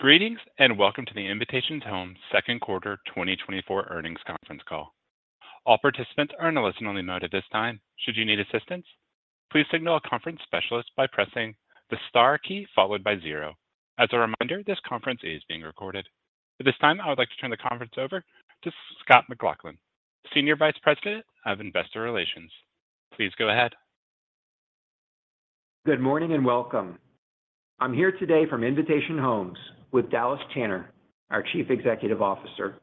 Greetings and welcome to the Invitation Homes Second Quarter 2024 Earnings Conference Call. All participants are in a listen-only mode at this time. Should you need assistance, please signal a conference specialist by pressing the star key followed by 0. As a reminder, this conference is being recorded. At this time, I would like to turn the conference over to Scott McLaughlin, Senior Vice President of Investor Relations. Please go ahead. Good morning and welcome. I'm here today from Invitation Homes with Dallas Tanner, our Chief Executive Officer,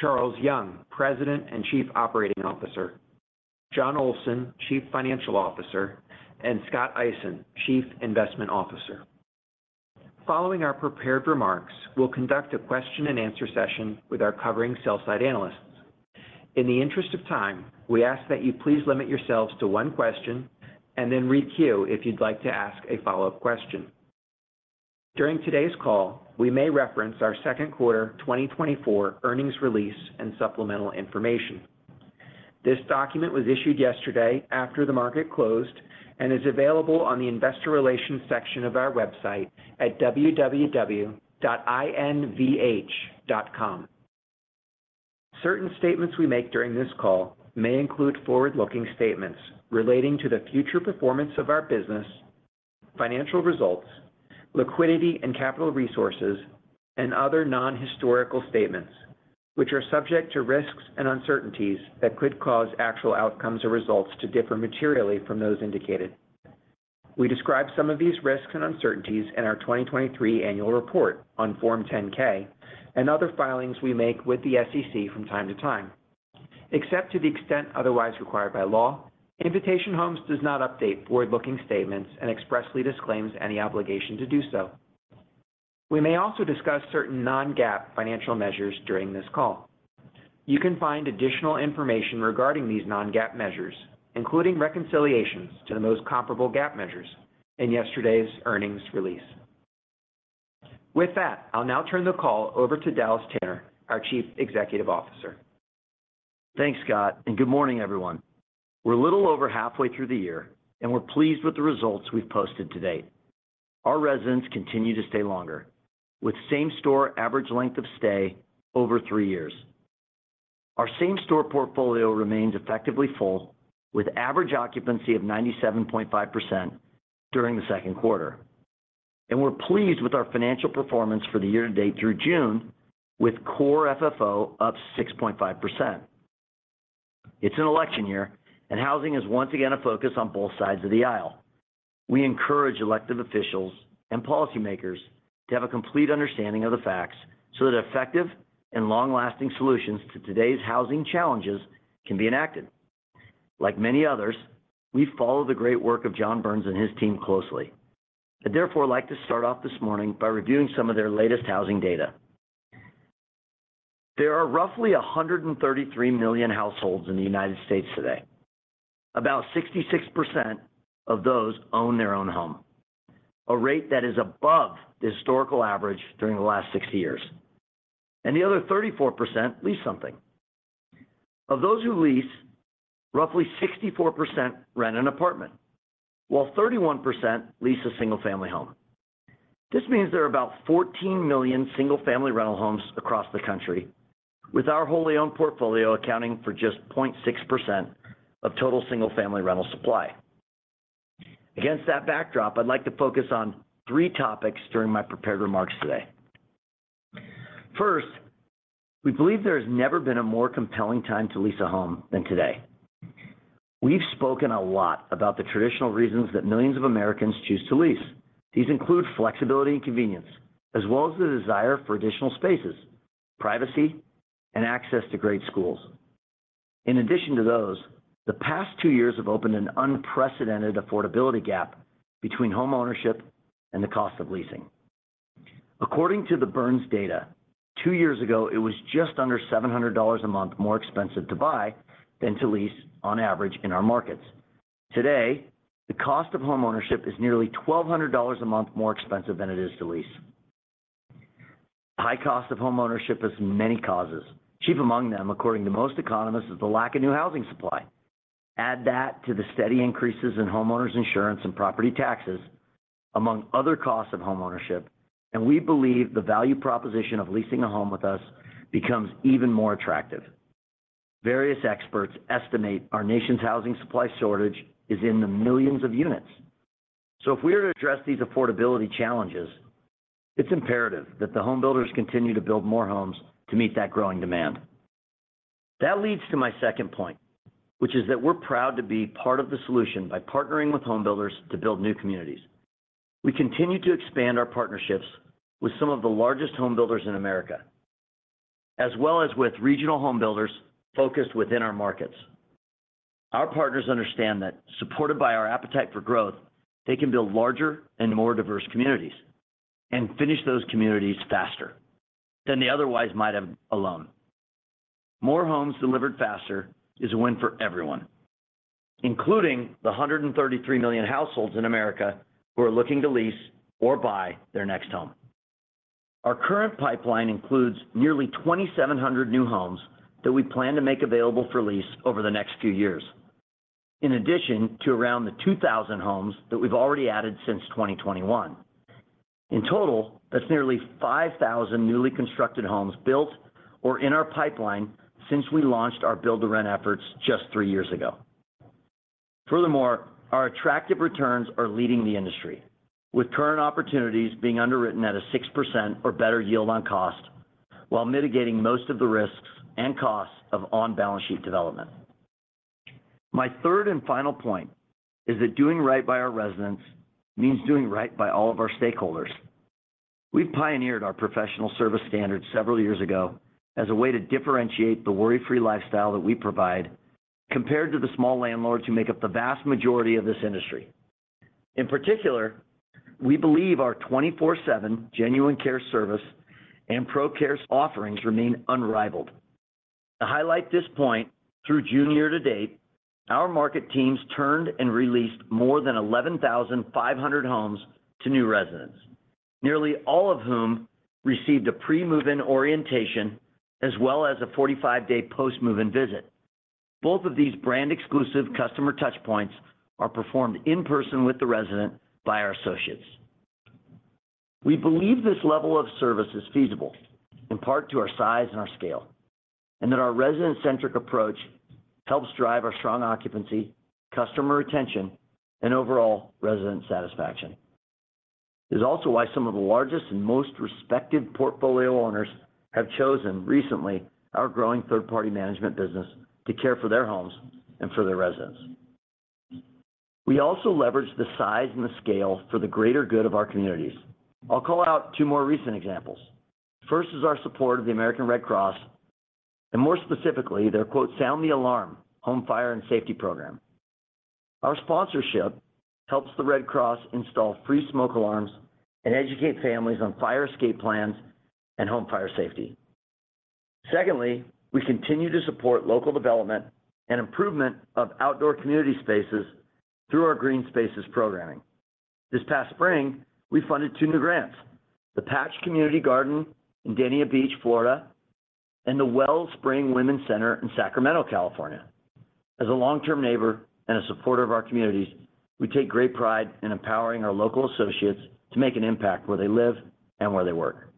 Charles Young, President and Chief Operating Officer, Jon Olsen, Chief Financial Officer, and Scott Eisen, Chief Investment Officer. Following our prepared remarks, we'll conduct a question-and-answer session with our covering sell-side analysts. In the interest of time, we ask that you please limit yourselves to one question and then re-queue if you'd like to ask a follow-up question. During today's call, we may reference our Second Quarter 2024 Earnings Release and Supplemental Information. This document was issued yesterday after the market closed and is available on the Investor Relations section of our website at www.invh.com. Certain statements we make during this call may include forward-looking statements relating to the future performance of our business, financial results, liquidity and capital resources, and other non-historical statements, which are subject to risks and uncertainties that could cause actual outcomes or results to differ materially from those indicated. We describe some of these risks and uncertainties in our 2023 Annual Report on Form 10-K and other filings we make with the SEC from time to time. Except to the extent otherwise required by law, Invitation Homes does not update forward-looking statements and expressly disclaims any obligation to do so. We may also discuss certain non-GAAP financial measures during this call. You can find additional information regarding these non-GAAP measures, including reconciliations to the most comparable GAAP measures, in yesterday's earnings release. With that, I'll now turn the call over to Dallas Tanner, our Chief Executive Officer. Thanks, Scott, and good morning, everyone. We're a little over halfway through the year, and we're pleased with the results we've posted to date. Our residents continue to stay longer, with same-store average length of stay over three years. Our same-store portfolio remains effectively full, with average occupancy of 97.5% during the second quarter. We're pleased with our financial performance for the year to date through June, with Core FFO up 6.5%. It's an election year, and housing is once again a focus on both sides of the aisle. We encourage elected officials and policymakers to have a complete understanding of the facts so that effective and long-lasting solutions to today's housing challenges can be enacted. Like many others, we follow the great work of Jon Burns and his team closely. I'd therefore like to start off this morning by reviewing some of their latest housing data. There are roughly 133 million households in the United States today. About 66% of those own their own home, a rate that is above the historical average during the last 60 years. The other 34% lease something. Of those who lease, roughly 64% rent an apartment, while 31% lease a single-family home. This means there are about 14 million single-family rental homes across the country, with our wholly-owned portfolio accounting for just 0.6% of total single-family rental supply. Against that backdrop, I'd like to focus on three topics during my prepared remarks today. First, we believe there has never been a more compelling time to lease a home than today. We've spoken a lot about the traditional reasons that millions of Americans choose to lease. These include flexibility and convenience, as well as the desire for additional spaces, privacy, and access to great schools. In addition to those, the past two years have opened an unprecedented affordability gap between homeownership and the cost of leasing. According to the Burns data, two years ago, it was just under $700 a month more expensive to buy than to lease, on average, in our markets. Today, the cost of homeownership is nearly $1,200 a month more expensive than it is to lease. The high cost of homeownership has many causes. Chief among them, according to most economists, is the lack of new housing supply. Add that to the steady increases in homeowners' insurance and property taxes, among other costs of homeownership, and we believe the value proposition of leasing a home with us becomes even more attractive. Various experts estimate our nation's housing supply shortage is in the millions of units. So if we are to address these affordability challenges, it's imperative that the homebuilders continue to build more homes to meet that growing demand. That leads to my second point, which is that we're proud to be part of the solution by partnering with homebuilders to build new communities. We continue to expand our partnerships with some of the largest homebuilders in America, as well as with regional homebuilders focused within our markets. Our partners understand that, supported by our appetite for growth, they can build larger and more diverse communities and finish those communities faster than they otherwise might have alone. More homes delivered faster is a win for everyone, including the 133 million households in America who are looking to lease or buy their next home. Our current pipeline includes nearly 2,700 new homes that we plan to make available for lease over the next few years, in addition to around 2,000 homes that we've already added since 2021. In total, that's nearly 5,000 newly constructed homes built or in our pipeline since we launched our build-to-rent efforts just three years ago. Furthermore, our attractive returns are leading the industry, with current opportunities being underwritten at a 6% or better yield on cost while mitigating most of the risks and costs of on-balance sheet development. My third and final point is that doing right by our residents means doing right by all of our stakeholders. We've pioneered our professional service standards several years ago as a way to differentiate the worry-free lifestyle that we provide compared to the small landlords who make up the vast majority of this industry. In particular, we believe our 24/7 Genuine Care service and ProCare offerings remain unrivaled. To highlight this point, through June year to date, our market teams turned and leased more than 11,500 homes to new residents, nearly all of whom received a pre-move-in orientation as well as a 45-day post-move-in visit. Both of these brand-exclusive customer touchpoints are performed in person with the resident by our associates. We believe this level of service is feasible, in part to our size and our scale, and that our resident-centric approach helps drive our strong occupancy, customer retention, and overall resident satisfaction. It's also why some of the largest and most respected portfolio owners have chosen recently our growing third-party management business to care for their homes and for their residents. We also leverage the size and the scale for the greater good of our communities. I'll call out two more recent examples. First is our support of the American Red Cross, and more specifically, their "Sound the Alarm" home fire and safety program. Our sponsorship helps the Red Cross install free smoke alarms and educate families on fire escape plans and home fire safety. Secondly, we continue to support local development and improvement of outdoor community spaces through our Green Spaces programming. This past spring, we funded two new grants: the Patch Community Garden in Dania Beach, Florida, and the Wellspring Women's Center in Sacramento, California. As a long-term neighbor and a supporter of our communities, we take great pride in empowering our local associates to make an impact where they live and where they work.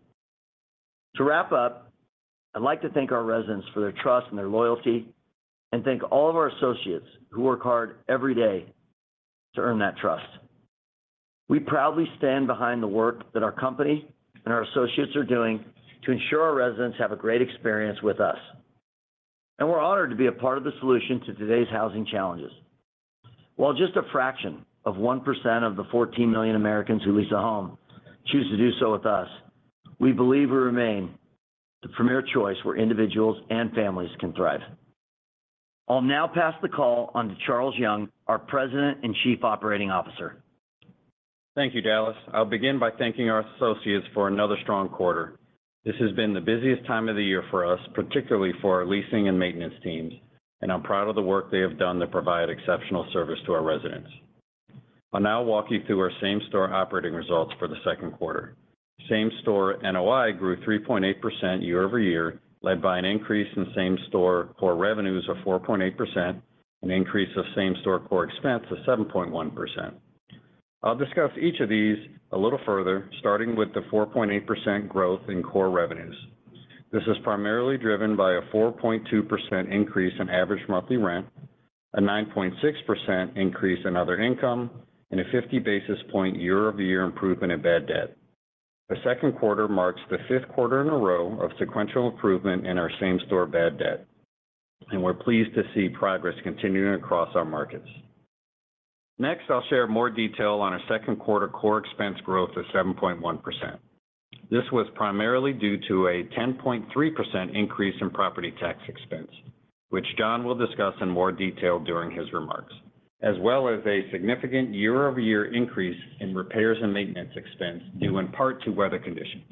To wrap up, I'd like to thank our residents for their trust and their loyalty and thank all of our associates who work hard every day to earn that trust. We proudly stand behind the work that our company and our associates are doing to ensure our residents have a great experience with us. We're honored to be a part of the solution to today's housing challenges. While just a fraction of 1% of the 14 million Americans who lease a home choose to do so with us, we believe we remain the premier choice where individuals and families can thrive. I'll now pass the call on to Charles Young, our President and Chief Operating Officer. Thank you, Dallas. I'll begin by thanking our associates for another strong quarter. This has been the busiest time of the year for us, particularly for our leasing and maintenance teams, and I'm proud of the work they have done to provide exceptional service to our residents. I'll now walk you through our same-store operating results for the second quarter. Same-store NOI grew 3.8% year-over-year, led by an increase in same-store core revenues of 4.8%, an increase of same-store core expense of 7.1%. I'll discuss each of these a little further, starting with the 4.8% growth in core revenues. This is primarily driven by a 4.2% increase in average monthly rent, a 9.6% increase in other income, and a 50 basis point year-over-year improvement in bad debt. The second quarter marks the fifth quarter in a row of sequential improvement in our same-store bad debt, and we're pleased to see progress continuing across our markets. Next, I'll share more detail on our second-quarter core expense growth of 7.1%. This was primarily due to a 10.3% increase in property tax expense, which Jon will discuss in more detail during his remarks, as well as a significant year-over-year increase in repairs and maintenance expense due in part to weather conditions.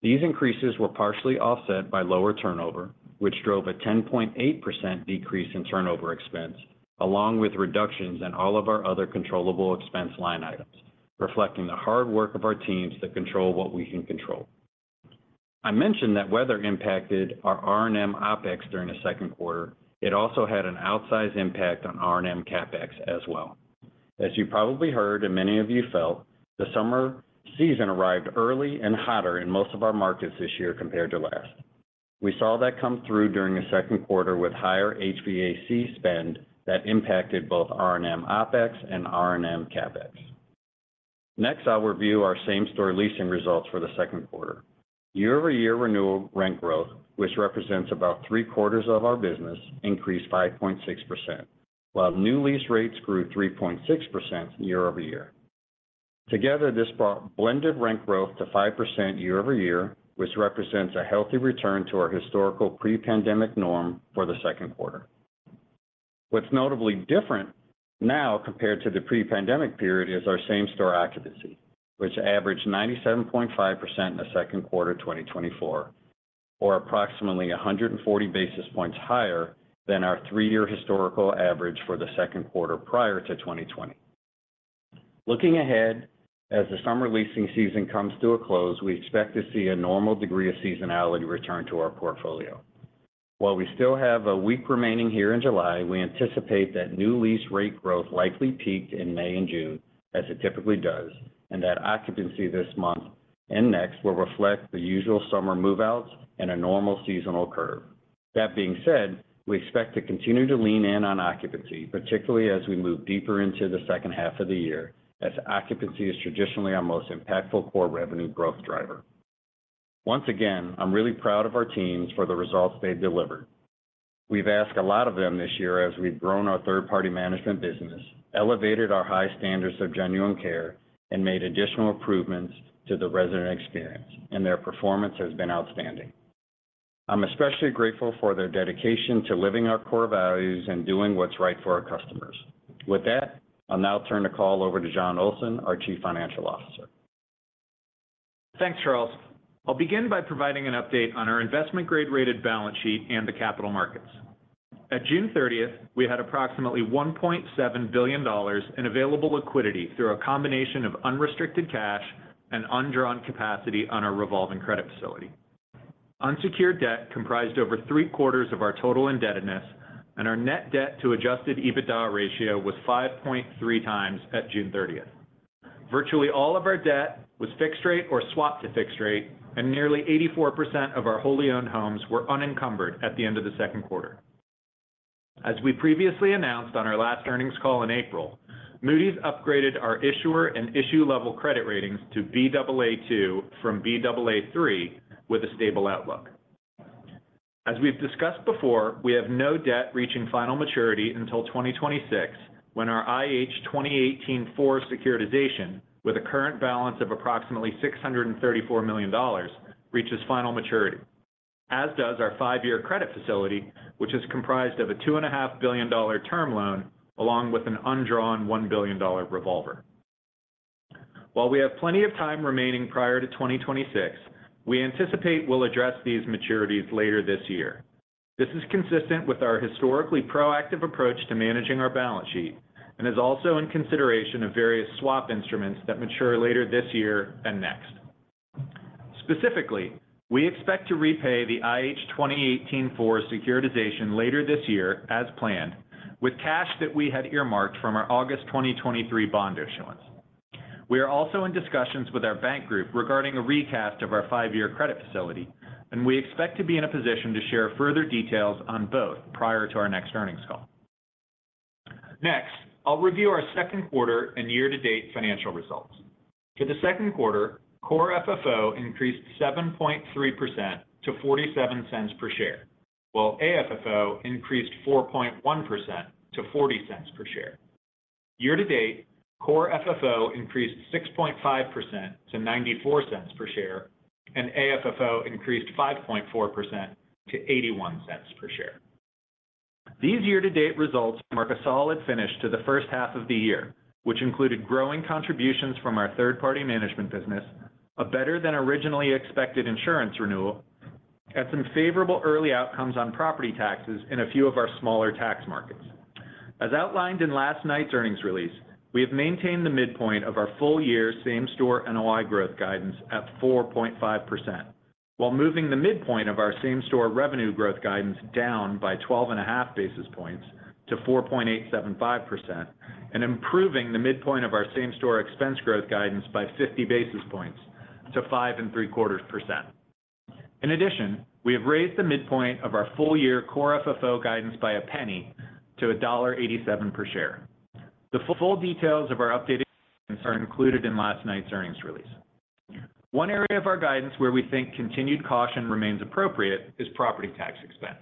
These increases were partially offset by lower turnover, which drove a 10.8% decrease in turnover expense, along with reductions in all of our other controllable expense line items, reflecting the hard work of our teams that control what we can control. I mentioned that weather impacted our R&M OPEX during the second quarter. It also had an outsized impact on R&M CAPEX as well. As you probably heard and many of you felt, the summer season arrived early and hotter in most of our markets this year compared to last. We saw that come through during the second quarter with higher HVAC spend that impacted both R&M OPEX and R&M CAPEX. Next, I'll review our same-store leasing results for the second quarter. Year-over-year renewal rent growth, which represents about three-quarters of our business, increased 5.6%, while new lease rates grew 3.6% year over year. Together, this brought blended rent growth to 5% year over year, which represents a healthy return to our historical pre-pandemic norm for the second quarter. What's notably different now compared to the pre-pandemic period is our same-store occupancy, which averaged 97.5% in the second quarter 2024, or approximately 140 basis points higher than our three-year historical average for the second quarter prior to 2020. Looking ahead, as the summer leasing season comes to a close, we expect to see a normal degree of seasonality return to our portfolio. While we still have a week remaining here in July, we anticipate that new lease rate growth likely peaked in May and June, as it typically does, and that occupancy this month and next will reflect the usual summer move-outs and a normal seasonal curve. That being said, we expect to continue to lean in on occupancy, particularly as we move deeper into the second half of the year, as occupancy is traditionally our most impactful core revenue growth driver. Once again, I'm really proud of our teams for the results they've delivered. We've asked a lot of them this year as we've grown our third-party management business, elevated our high standards of Genuine Care, and made additional improvements to the resident experience, and their performance has been outstanding. I'm especially grateful for their dedication to living our core values and doing what's right for our customers. With that, I'll now turn the call over to Jon Olsen, our Chief Financial Officer. Thanks, Charles. I'll begin by providing an update on our investment-grade rated balance sheet and the capital markets. At June 30th, we had approximately $1.7 billion in available liquidity through a combination of unrestricted cash and undrawn capacity on our revolving credit facility. Unsecured debt comprised over three-quarters of our total indebtedness, and our net debt to adjusted EBITDA ratio was 5.3 times at June 30th. Virtually all of our debt was fixed rate or swapped to fixed rate, and nearly 84% of our wholly-owned homes were unencumbered at the end of the second quarter. As we previously announced on our last earnings call in April, Moody's upgraded our issuer and issue-level credit ratings to Baa2 from Baa3 with a stable outlook. As we've discussed before, we have no debt reaching final maturity until 2026 when our IH 2018-4 securitization, with a current balance of approximately $634 million, reaches final maturity, as does our five-year credit facility, which is comprised of a $2.5 billion term loan along with an undrawn $1 billion revolver. While we have plenty of time remaining prior to 2026, we anticipate we'll address these maturities later this year. This is consistent with our historically proactive approach to managing our balance sheet and is also in consideration of various swap instruments that mature later this year and next. Specifically, we expect to repay the IH 2018-4 securitization later this year as planned, with cash that we had earmarked from our August 2023 bond issuance. We are also in discussions with our bank group regarding a recast of our five-year credit facility, and we expect to be in a position to share further details on both prior to our next earnings call. Next, I'll review our second quarter and year-to-date financial results. For the second quarter, core FFO increased 7.3% to $0.47 per share, while AFFO increased 4.1% to $0.40 per share. Year-to-date, core FFO increased 6.5% to $0.94 per share, and AFFO increased 5.4% to $0.81 per share. These year-to-date results mark a solid finish to the first half of the year, which included growing contributions from our third-party management business, a better-than-originally-expected insurance renewal, and some favorable early outcomes on property taxes in a few of our smaller tax markets. As outlined in last night's earnings release, we have maintained the midpoint of our full-year same-store NOI growth guidance at 4.5%, while moving the midpoint of our same-store revenue growth guidance down by 12.5 basis points to 4.875% and improving the midpoint of our same-store expense growth guidance by 50 basis points to 5.75%. In addition, we have raised the midpoint of our full-year core FFO guidance by a penny to $1.87 per share. The full details of our updated guidance are included in last night's earnings release. One area of our guidance where we think continued caution remains appropriate is property tax expense.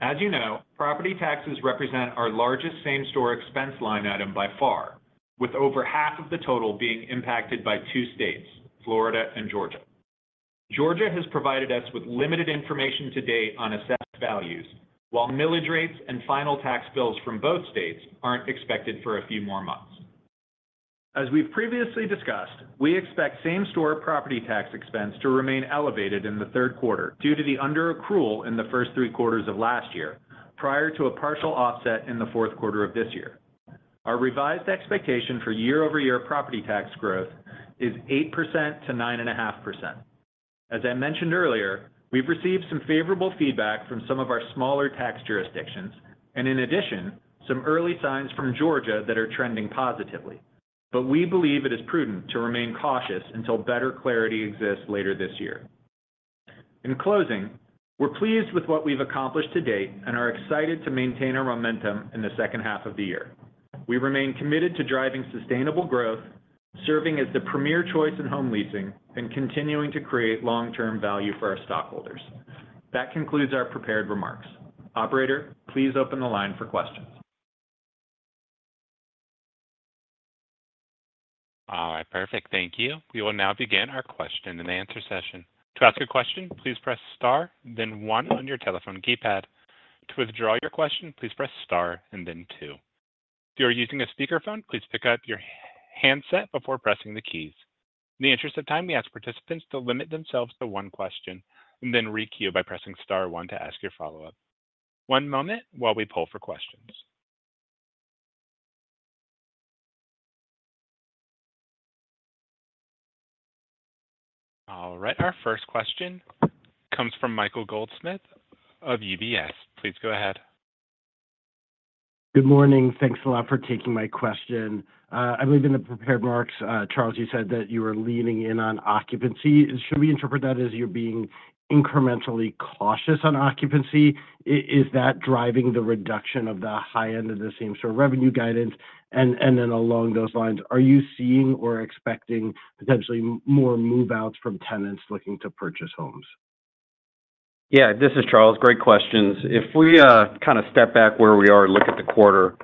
As you know, property taxes represent our largest same-store expense line item by far, with over half of the total being impacted by two states, Florida and Georgia. Georgia has provided us with limited information to date on assessed values, while millage rates and final tax bills from both states aren't expected for a few more months. As we've previously discussed, we expect same-store property tax expense to remain elevated in the third quarter due to the under-accrual in the first three quarters of last year prior to a partial offset in the fourth quarter of this year. Our revised expectation for year-over-year property tax growth is 8%-9.5%. As I mentioned earlier, we've received some favorable feedback from some of our smaller tax jurisdictions and, in addition, some early signs from Georgia that are trending positively, but we believe it is prudent to remain cautious until better clarity exists later this year. In closing, we're pleased with what we've accomplished to date and are excited to maintain our momentum in the second half of the year. We remain committed to driving sustainable growth, serving as the premier choice in home leasing, and continuing to create long-term value for our stockholders. That concludes our prepared remarks. Operator, please open the line for questions. All right. Perfect. Thank you. We will now begin our question and answer session. To ask a question, please press Star, then 1 on your telephone keypad. To withdraw your question, please press Star and then 2. If you are using a speakerphone, please pick up your handset before pressing the keys. In the interest of time, we ask participants to limit themselves to one question and then re-queue by pressing Star 1 to ask your follow-up. One moment while we pull for questions. All right. Our first question comes from Michael Goldsmith of UBS. Please go ahead. Good morning. Thanks a lot for taking my question. I believe in the prepared remarks, Charles, you said that you were leaning in on occupancy. Should we interpret that as you're being incrementally cautious on occupancy? Is that driving the reduction of the high end of the same-store revenue guidance? And then along those lines, are you seeing or expecting potentially more move-outs from tenants looking to purchase homes? Yeah, this is Charles. Great questions. If we kind of step back where we are and look at the quarter,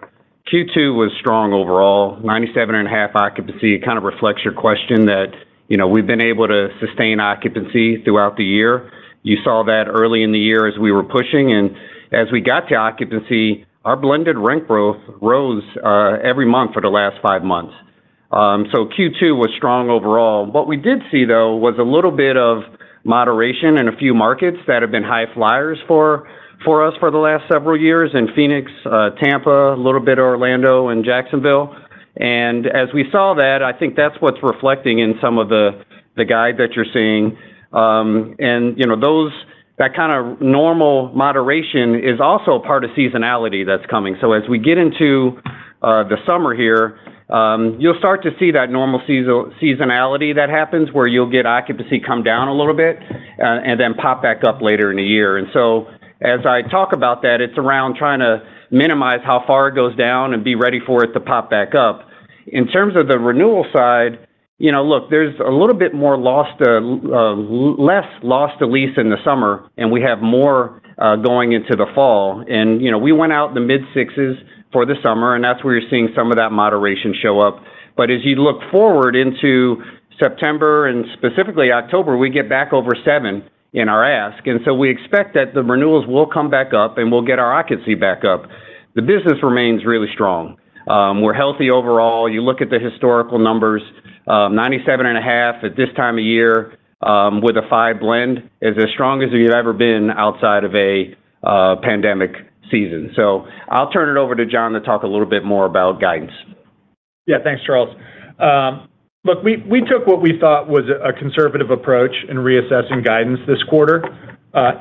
Q2 was strong overall. 97.5% occupancy, it kind of reflects your question that we've been able to sustain occupancy throughout the year. You saw that early in the year as we were pushing. And as we got to occupancy, our blended rent growth rose every month for the last five months. So Q2 was strong overall. What we did see, though, was a little bit of moderation in a few markets that have been high flyers for us for the last several years in Phoenix, Tampa, a little bit of Orlando and Jacksonville. And as we saw that, I think that's what's reflecting in some of the guide that you're seeing. And that kind of normal moderation is also part of seasonality that's coming. So as we get into the summer here, you'll start to see that normal seasonality that happens where you'll get occupancy come down a little bit and then pop back up later in the year. And so as I talk about that, it's around trying to minimize how far it goes down and be ready for it to pop back up. In terms of the renewal side, look, there's a little bit more less loss to lease in the summer, and we have more going into the fall. And we went out in the mid-6s for the summer, and that's where you're seeing some of that moderation show up. But as you look forward into September and specifically October, we get back over 7 in our ask. And so we expect that the renewals will come back up, and we'll get our occupancy back up. The business remains really strong. We're healthy overall. You look at the historical numbers, 97.5 at this time of year with a 5 blend is as strong as it's ever been outside of a pandemic season. So I'll turn it over to Jon to talk a little bit more about guidance. Yeah, thanks, Charles. Look, we took what we thought was a conservative approach in reassessing guidance this quarter.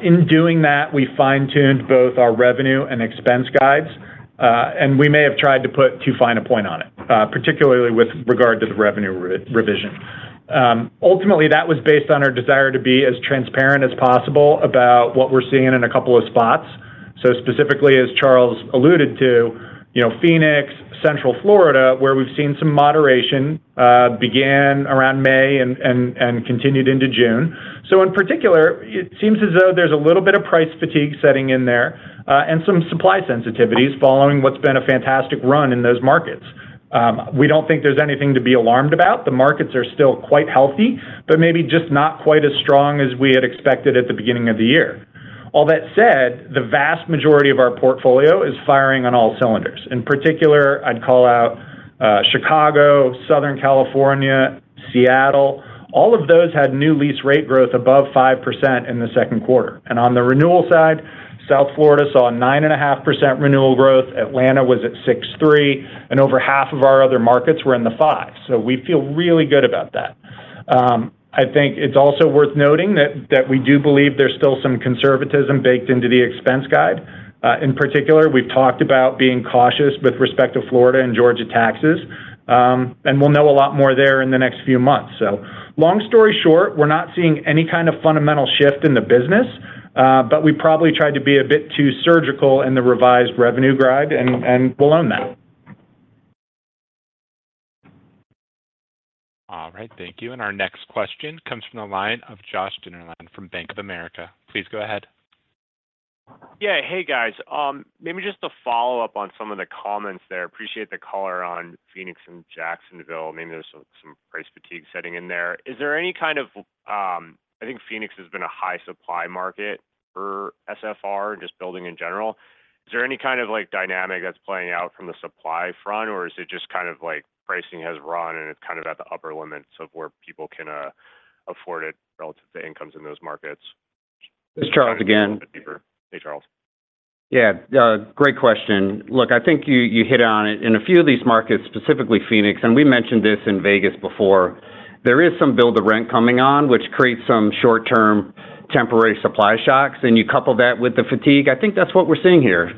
In doing that, we fine-tuned both our revenue and expense guides, and we may have tried to put too fine a point on it, particularly with regard to the revenue revision. Ultimately, that was based on our desire to be as transparent as possible about what we're seeing in a couple of spots. So specifically, as Charles alluded to, Phoenix, Central Florida, where we've seen some moderation begin around May and continued into June. So in particular, it seems as though there's a little bit of price fatigue setting in there and some supply sensitivities following what's been a fantastic run in those markets. We don't think there's anything to be alarmed about. The markets are still quite healthy, but maybe just not quite as strong as we had expected at the beginning of the year. All that said, the vast majority of our portfolio is firing on all cylinders. In particular, I'd call out Chicago, Southern California, Seattle. All of those had new lease rate growth above 5% in the second quarter. On the renewal side, South Florida saw 9.5% renewal growth. Atlanta was at 6.3%, and over half of our other markets were in the 5%. We feel really good about that. I think it's also worth noting that we do believe there's still some conservatism baked into the expense guide. In particular, we've talked about being cautious with respect to Florida and Georgia taxes, and we'll know a lot more there in the next few months. Long story short, we're not seeing any kind of fundamental shift in the business, but we probably tried to be a bit too surgical in the revised revenue guide, and we'll own that. All right. Thank you. And our next question comes from the line of Josh Dennerlein from Bank of America. Please go ahead. Yeah. Hey, guys. Maybe just to follow up on some of the comments there. Appreciate the color on Phoenix and Jacksonville. Maybe there's some price fatigue setting in there. Is there any kind of, I think Phoenix has been a high supply market for SFR and just building in general. Is there any kind of dynamic that's playing out from the supply front, or is it just kind of like pricing has run and it's kind of at the upper limits of where people can afford it relative to incomes in those markets? This is Charles again. Hey, Charles. Yeah. Great question. Look, I think you hit on it. In a few of these markets, specifically Phoenix, and we mentioned this in Vegas before, there is some build-to-rent coming on, which creates some short-term temporary supply shocks. And you couple that with the fatigue, I think that's what we're seeing here.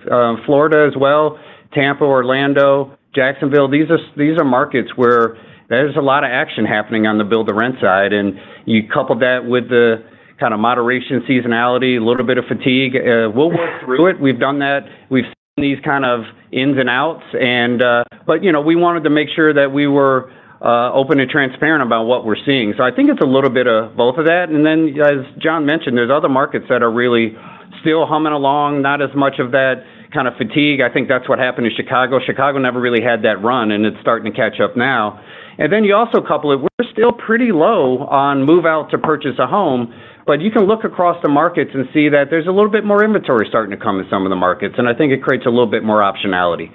Florida as well, Tampa, Orlando, Jacksonville, these are markets where there's a lot of action happening on the build-to-rent side. And you couple that with the kind of moderation seasonality, a little bit of fatigue. We'll work through it. We've done that. We've seen these kind of ins and outs. But we wanted to make sure that we were open and transparent about what we're seeing. So I think it's a little bit of both of that. And then, as John mentioned, there's other markets that are really still humming along, not as much of that kind of fatigue. I think that's what happened in Chicago. Chicago never really had that run, and it's starting to catch up now. And then you also couple it, we're still pretty low on move-out to purchase a home, but you can look across the markets and see that there's a little bit more inventory starting to come in some of the markets. And I think it creates a little bit more optionality.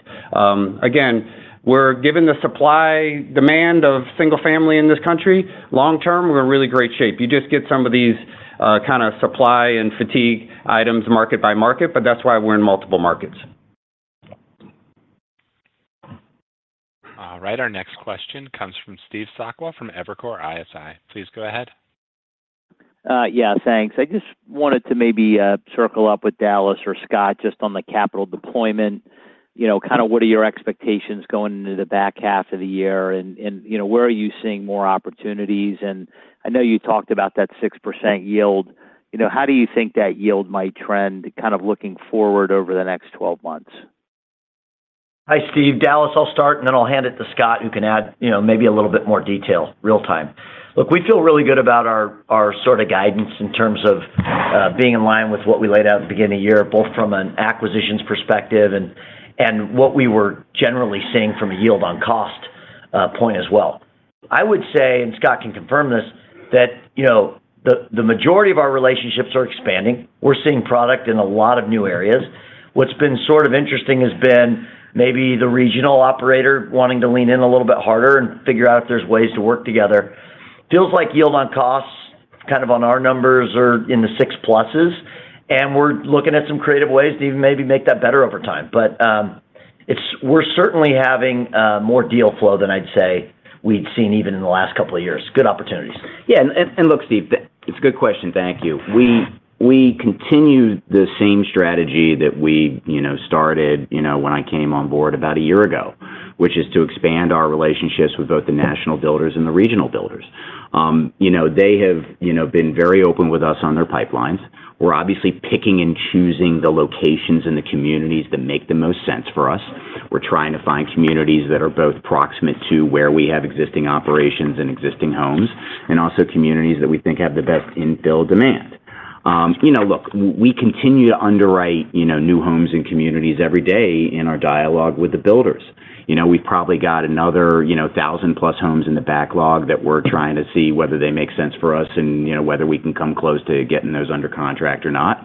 Again, we're given the supply demand of single-family in this country, long-term, we're in really great shape. You just get some of these kind of supply and fatigue items market by market, but that's why we're in multiple markets. All right. Our next question comes from Steve Sakwa from Evercore ISI. Please go ahead. Yeah, thanks. I just wanted to maybe circle up with Dallas or Scott just on the capital deployment. Kind of what are your expectations going into the back half of the year? And where are you seeing more opportunities? And I know you talked about that 6% yield. How do you think that yield might trend kind of looking forward over the next 12 months? Hi, Steve. Dallas, I'll start, and then I'll hand it to Scott, who can add maybe a little bit more detail real-time. Look, we feel really good about our sort of guidance in terms of being in line with what we laid out at the beginning of the year, both from an acquisitions perspective and what we were generally seeing from a yield-on-cost point as well. I would say, and Scott can confirm this, that the majority of our relationships are expanding. We're seeing product in a lot of new areas. What's been sort of interesting has been maybe the regional operator wanting to lean in a little bit harder and figure out if there's ways to work together. Feels like yield-on-costs kind of on our numbers are in the 6%+, and we're looking at some creative ways to even maybe make that better over time. But we're certainly having more deal flow than I'd say we'd seen even in the last couple of years. Good opportunities. Yeah. And look, Steve, it's a good question. Thank you. We continue the same strategy that we started when I came on board about a year ago, which is to expand our relationships with both the national builders and the regional builders. They have been very open with us on their pipelines. We're obviously picking and choosing the locations and the communities that make the most sense for us. We're trying to find communities that are both proximate to where we have existing operations and existing homes and also communities that we think have the best in-fill demand. Look, we continue to underwrite new homes and communities every day in our dialogue with the builders. We've probably got another 1,000-plus homes in the backlog that we're trying to see whether they make sense for us and whether we can come close to getting those under contract or not.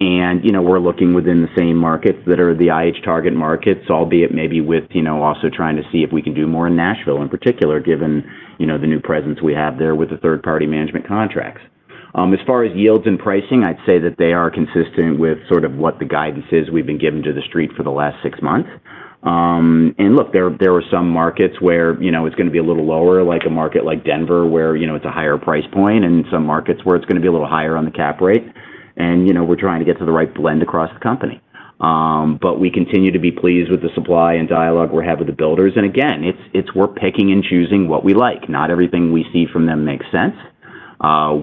We're looking within the same markets that are the IH target markets, albeit maybe with also trying to see if we can do more in Nashville in particular, given the new presence we have there with the third-party management contracts. As far as yields and pricing, I'd say that they are consistent with sort of what the guidance is we've been giving to the street for the last six months. Look, there are some markets where it's going to be a little lower, like a market like Denver where it's a higher price point and some markets where it's going to be a little higher on the cap rate. We're trying to get to the right blend across the company. But we continue to be pleased with the supply and dialogue we have with the builders. And again, it's we're picking and choosing what we like. Not everything we see from them makes sense.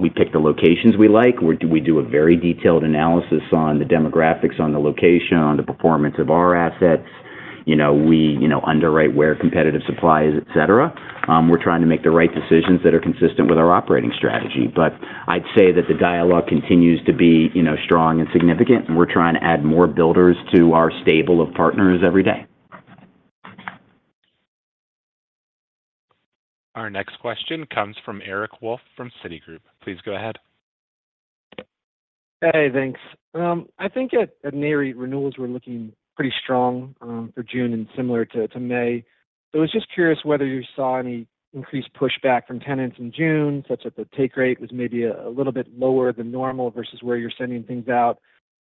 We pick the locations we like. We do a very detailed analysis on the demographics, on the location, on the performance of our assets. We underwrite where competitive supply is, etc. We're trying to make the right decisions that are consistent with our operating strategy. But I'd say that the dialogue continues to be strong and significant, and we're trying to add more builders to our stable of partners every day. Our next question comes from Eric Wolfe from Citigroup. Please go ahead. Hey, thanks. I think at near renewals, we're looking pretty strong for June and similar to May. I was just curious whether you saw any increased pushback from tenants in June, such that the take rate was maybe a little bit lower than normal versus where you're sending things out.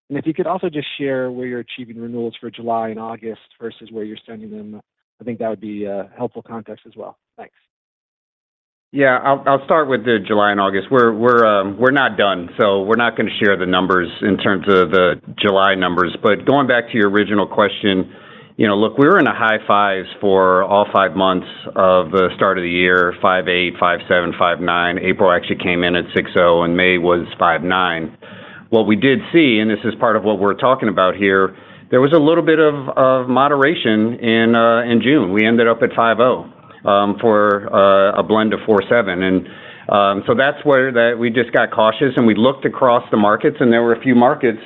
And if you could also just share where you're achieving renewals for July and August versus where you're sending them, I think that would be helpful context as well. Thanks. Yeah. I'll start with the July and August. We're not done, so we're not going to share the numbers in terms of the July numbers. But going back to your original question, look, we were in a high fives for all five months of the start of the year, 5.8, 5.7, 5.9. April actually came in at 6.0, and May was 5.9. What we did see, and this is part of what we're talking about here, there was a little bit of moderation in June. We ended up at 5.0 for a blend of 4.7. And so that's where we just got cautious, and we looked across the markets, and there were a few markets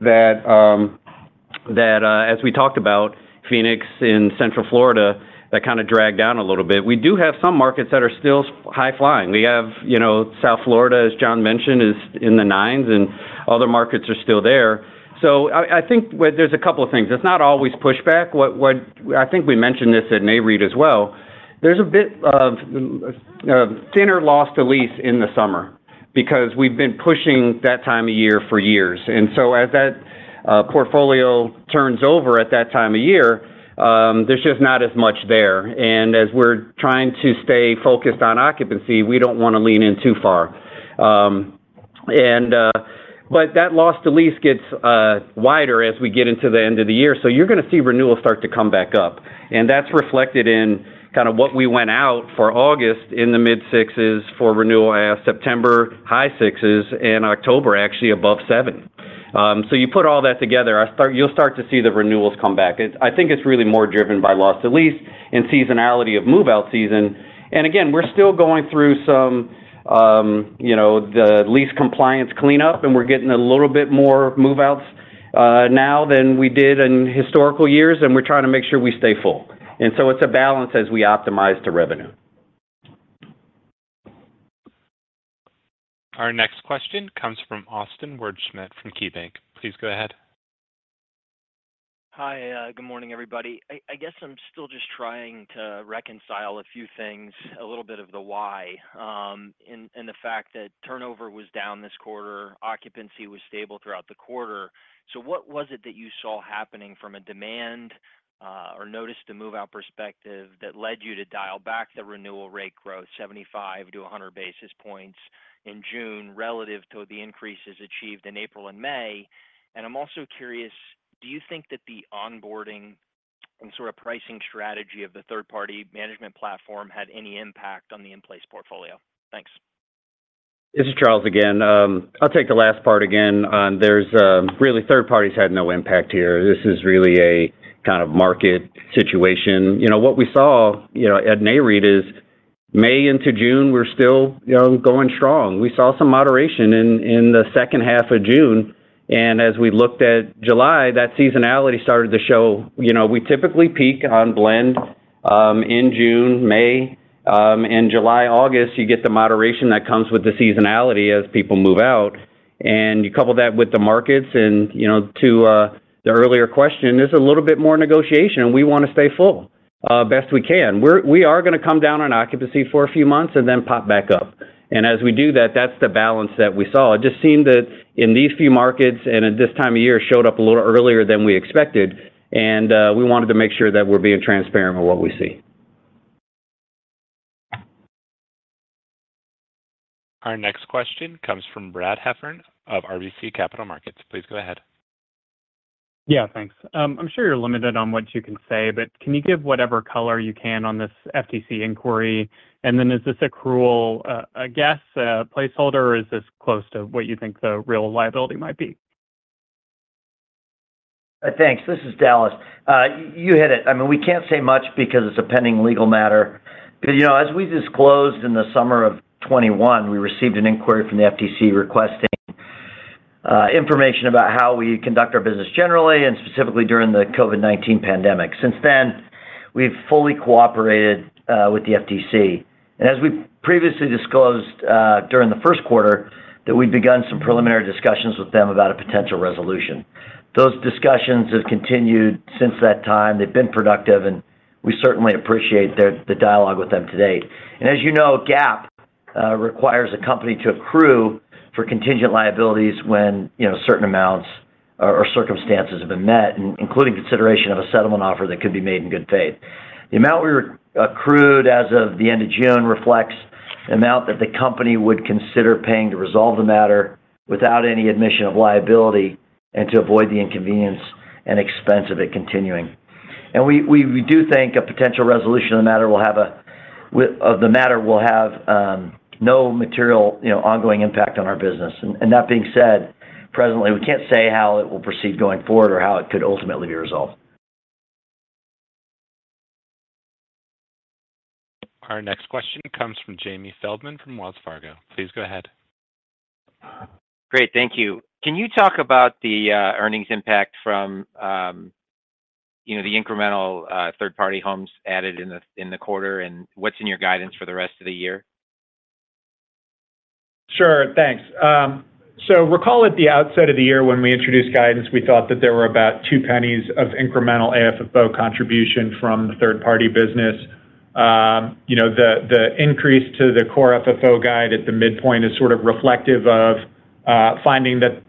that, as we talked about, Phoenix and Central Florida, that kind of dragged down a little bit. We do have some markets that are still high flying. We have South Florida, as John mentioned, is in the nines, and other markets are still there. So I think there's a couple of things. It's not always pushback. I think we mentioned this at Nareit as well. There's a bit of thinner Loss to Lease in the summer because we've been pushing that time of year for years. And so as that portfolio turns over at that time of year, there's just not as much there. And as we're trying to stay focused on occupancy, we don't want to lean in too far. But that Loss to Lease gets wider as we get into the end of the year. So you're going to see renewals start to come back up. And that's reflected in kind of what we went out for August in the mid-sixes for renewal, September high sixes, and October actually above seven. So you put all that together, you'll start to see the renewals come back. I think it's really more driven by loss to lease and seasonality of move-out season. And again, we're still going through some lease compliance cleanup, and we're getting a little bit more move-outs now than we did in historical years, and we're trying to make sure we stay full. And so it's a balance as we optimize to revenue. Our next question comes from Austin Wurschmidt from KeyBanc. Please go ahead. Hi. Good morning, everybody. I guess I'm still just trying to reconcile a few things, a little bit of the why and the fact that turnover was down this quarter, occupancy was stable throughout the quarter. So what was it that you saw happening from a demand or notice to move-out perspective that led you to dial back the renewal rate growth, 75-100 basis points in June relative to the increases achieved in April and May? And I'm also curious, do you think that the onboarding and sort of pricing strategy of the third-party management platform had any impact on the in-place portfolio? Thanks. This is Charles again. I'll take the last part again. Really, third parties had no impact here. This is really a kind of market situation. What we saw at May read is May into June, we're still going strong. We saw some moderation in the second half of June. As we looked at July, that seasonality started to show. We typically peak on blend in June, May, and July, August, you get the moderation that comes with the seasonality as people move out. You couple that with the markets and to the earlier question, there's a little bit more negotiation, and we want to stay full best we can. We are going to come down on occupancy for a few months and then pop back up. As we do that, that's the balance that we saw. It just seemed that in these few markets and at this time of year showed up a little earlier than we expected. We wanted to make sure that we're being transparent with what we see. Our next question comes from Brad Heffern of RBC Capital Markets. Please go ahead. Yeah, thanks. I'm sure you're limited on what you can say, but can you give whatever color you can on this FTC inquiry? And then is this a crude guess, a placeholder, or is this close to what you think the real liability might be? Thanks. This is Dallas. You hit it. I mean, we can't say much because it's a pending legal matter. As we disclosed in the summer of 2021, we received an inquiry from the FTC requesting information about how we conduct our business generally and specifically during the COVID-19 pandemic. Since then, we've fully cooperated with the FTC. As we previously disclosed during the first quarter, that we'd begun some preliminary discussions with them about a potential resolution. Those discussions have continued since that time. They've been productive, and we certainly appreciate the dialogue with them to date. As you know, GAAP requires a company to accrue for contingent liabilities when certain amounts or circumstances have been met, including consideration of a settlement offer that could be made in good faith. The amount we accrued as of the end of June reflects the amount that the company would consider paying to resolve the matter without any admission of liability and to avoid the inconvenience and expense of it continuing. We do think a potential resolution of the matter will have no material ongoing impact on our business. That being said, presently, we can't say how it will proceed going forward or how it could ultimately be resolved. Our next question comes from Jamie Feldman from Wells Fargo. Please go ahead. Great. Thank you. Can you talk about the earnings impact from the incremental third-party homes added in the quarter and what's in your guidance for the rest of the year? Sure. Thanks. So recall at the outset of the year when we introduced guidance, we thought that there were about $0.02 of incremental AFFO contribution from the third-party business. The increase to the core FFO guide at the midpoint is sort of reflective of finding that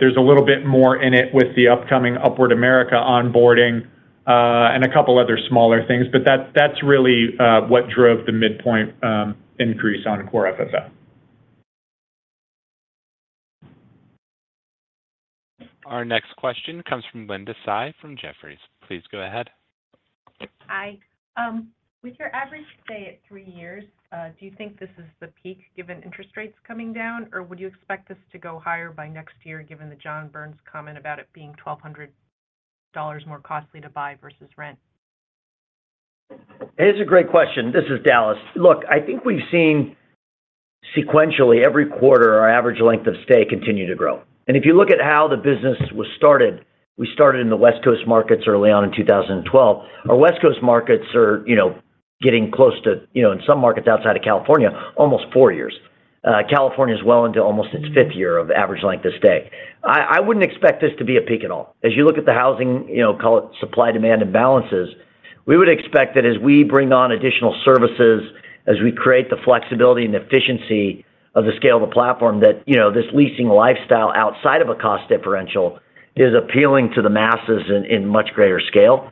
there's a little bit more in it with the upcoming Upward America onboarding and a couple of other smaller things. But that's really what drove the midpoint increase on core FFO. Our next question comes from Linda Tsai from Jefferies. Please go ahead. Hi. With your average stay at 3 years, do you think this is the peak given interest rates coming down, or would you expect this to go higher by next year given the John Burns comment about it being $1,200 more costly to buy versus rent? It's a great question. This is Dallas. Look, I think we've seen sequentially every quarter our average length of stay continue to grow. And if you look at how the business was started, we started in the West Coast markets early on in 2012. Our West Coast markets are getting close to, in some markets outside of California, almost four years. California is well into almost its fifth year of average length of stay. I wouldn't expect this to be a peak at all. As you look at the housing, call it supply-demand imbalances, we would expect that as we bring on additional services, as we create the flexibility and efficiency of the scale of the platform, that this leasing lifestyle outside of a cost differential is appealing to the masses in much greater scale.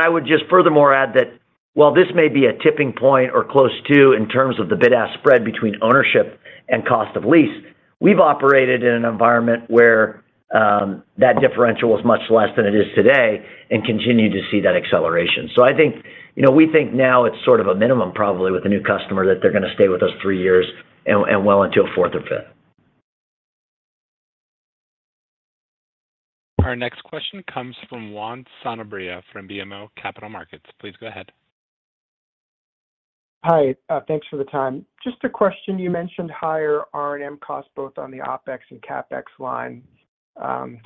I would just furthermore add that, while this may be a tipping point or close to in terms of the bid-ask spread between ownership and cost of lease, we've operated in an environment where that differential was much less than it is today and continue to see that acceleration. So I think we think now it's sort of a minimum probably with a new customer that they're going to stay with us three years and well into a fourth or fifth. Our next question comes from Juan Sanabria from BMO Capital Markets. Please go ahead. Hi. Thanks for the time. Just a question. You mentioned higher R&M costs both on the OPEX and CAPEX line.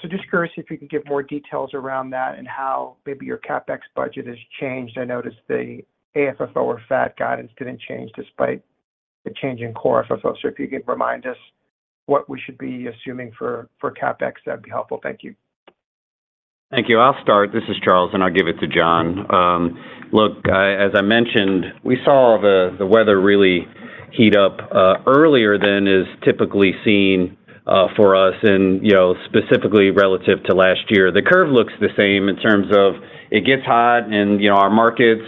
Just curious if you can give more details around that and how maybe your CAPEX budget has changed. I noticed the AFFO or FAD guidance didn't change despite the change in Core FFO. If you could remind us what we should be assuming for CAPEX, that would be helpful. Thank you. Thank you. I'll start. This is Charles, and I'll give it to John. Look, as I mentioned, we saw the weather really heat up earlier than is typically seen for us and specifically relative to last year. The curve looks the same in terms of it gets hot in our markets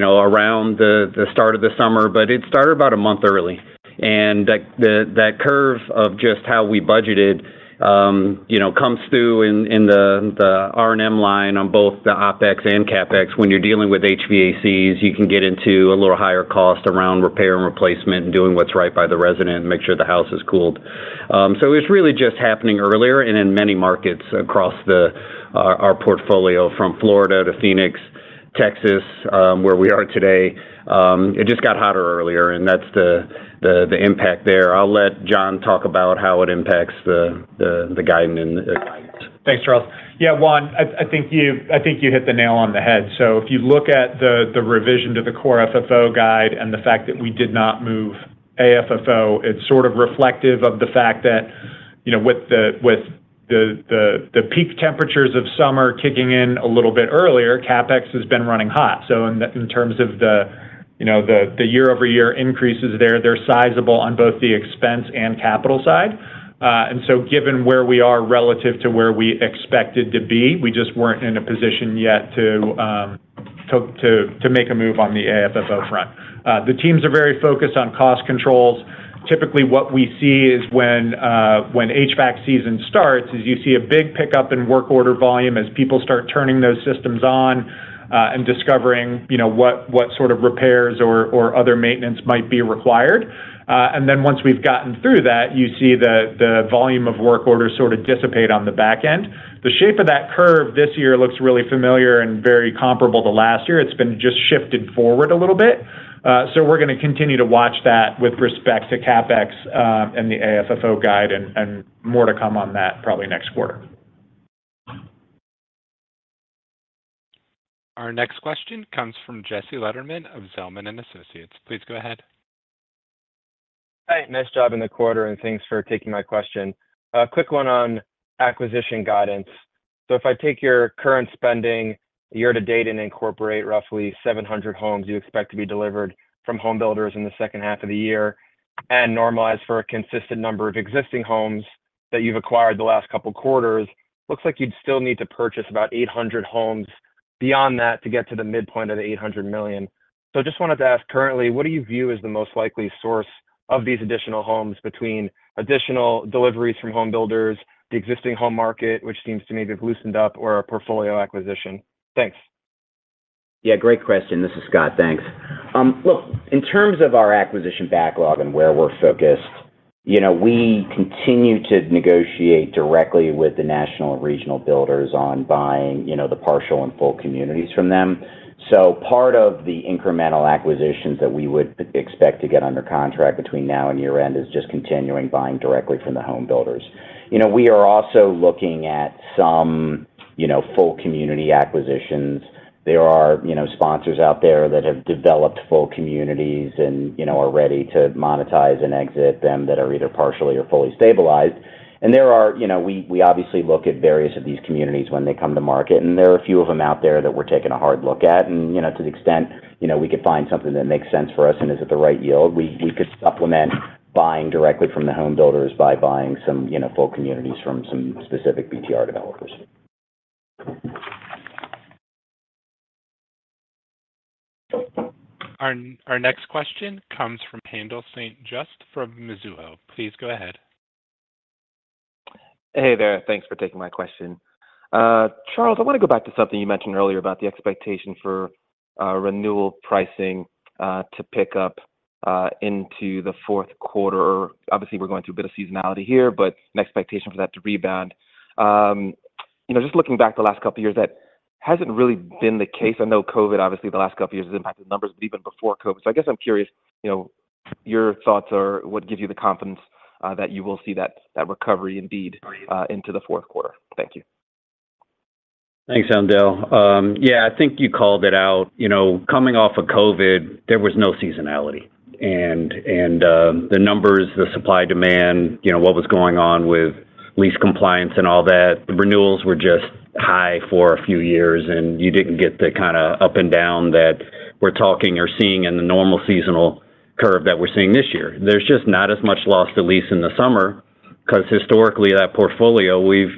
around the start of the summer, but it started about a month early. And that curve of just how we budgeted comes through in the R&M line on both the OPEX and CAPEX. When you're dealing with HVACs, you can get into a little higher cost around repair and replacement and doing what's right by the resident and make sure the house is cooled. So it's really just happening earlier and in many markets across our portfolio from Florida to Phoenix, Texas, where we are today. It just got hotter earlier, and that's the impact there. I'll let John talk about how it impacts the guidance. Thanks, Charles. Yeah, Wand, I think you hit the nail on the head. So if you look at the revision to the Core FFO guide and the fact that we did not move AFFO, it's sort of reflective of the fact that with the peak temperatures of summer kicking in a little bit earlier, CAPEX has been running hot. So in terms of the year-over-year increases there, they're sizable on both the expense and capital side. And so given where we are relative to where we expected to be, we just weren't in a position yet to make a move on the AFFO front. The teams are very focused on cost controls. Typically, what we see is when HVAC season starts is you see a big pickup in work order volume as people start turning those systems on and discovering what sort of repairs or other maintenance might be required. And then once we've gotten through that, you see the volume of work orders sort of dissipate on the back end. The shape of that curve this year looks really familiar and very comparable to last year. It's been just shifted forward a little bit. So we're going to continue to watch that with respect to CapEx and the AFFO guide and more to come on that probably next quarter. Our next question comes from Jesse Lederman of Zelman & Associates. Please go ahead. Hi. Nice job in the quarter, and thanks for taking my question. A quick one on acquisition guidance. So if I take your current spending year to date and incorporate roughly 700 homes you expect to be delivered from homebuilders in the second half of the year and normalize for a consistent number of existing homes that you've acquired the last couple of quarters, looks like you'd still need to purchase about 800 homes beyond that to get to the midpoint of the $800 million. So I just wanted to ask currently, what do you view as the most likely source of these additional homes between additional deliveries from homebuilders, the existing home market, which seems to maybe have loosened up, or a portfolio acquisition? Thanks. Yeah. Great question. This is Scott. Thanks. Look, in terms of our acquisition backlog and where we're focused, we continue to negotiate directly with the national and regional builders on buying the partial and full communities from them. So part of the incremental acquisitions that we would expect to get under contract between now and year-end is just continuing buying directly from the homebuilders. We are also looking at some full community acquisitions. There are sponsors out there that have developed full communities and are ready to monetize and exit them that are either partially or fully stabilized. And we obviously look at various of these communities when they come to market, and there are a few of them out there that we're taking a hard look at. To the extent we could find something that makes sense for us and is at the right yield, we could supplement buying directly from the homebuilders by buying some full communities from some specific BTR developers. Our next question comes from Haendel St. Juste from Mizuho. Please go ahead. Hey there. Thanks for taking my question. Charles, I want to go back to something you mentioned earlier about the expectation for renewal pricing to pick up into the fourth quarter. Obviously, we're going through a bit of seasonality here, but the expectation for that to rebound. Just looking back the last couple of years, that hasn't really been the case. I know COVID, obviously, the last couple of years has impacted numbers, but even before COVID. So I guess I'm curious your thoughts are what gives you the confidence that you will see that recovery indeed into the fourth quarter. Thank you. Thanks, Andel. Yeah, I think you called it out. Coming off of COVID, there was no seasonality. And the numbers, the supply-demand, what was going on with lease compliance and all that, the renewals were just high for a few years, and you didn't get the kind of up and down that we're talking or seeing in the normal seasonal curve that we're seeing this year. There's just not as much loss to lease in the summer because historically, that portfolio, we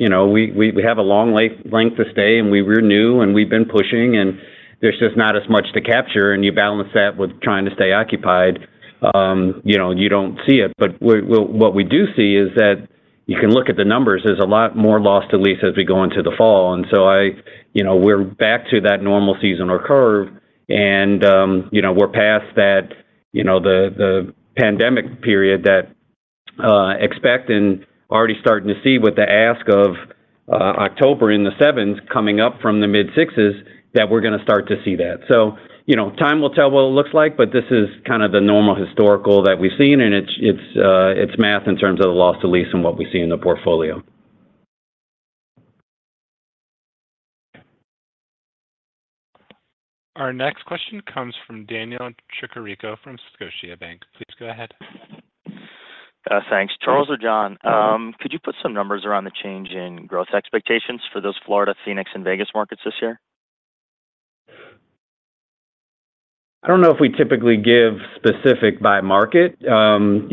have a long length of stay, and we renew, and we've been pushing, and there's just not as much to capture. And you balance that with trying to stay occupied, you don't see it. But what we do see is that you can look at the numbers. There's a lot more loss to lease as we go into the fall. And so we're back to that normal seasonal curve, and we're past the pandemic period that we expect and already starting to see with the as of October in the 7s coming up from the mid-sixes that we're going to start to see that. So time will tell what it looks like, but this is kind of the normal historical that we've seen, and it's math in terms of the loss to lease and what we see in the portfolio. Our next question comes from Daniel Tricarico from Scotiabank. Please go ahead. Thanks. Charles or John, could you put some numbers around the change in growth expectations for those Florida, Phoenix, and Vegas markets this year? I don't know if we typically give specific by market. I'm